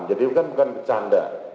jadi bukan bercanda